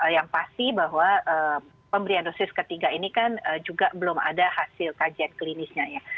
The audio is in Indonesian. yang pasti bahwa pemberian dosis ketiga ini kan juga belum ada hasil kajian klinisnya ya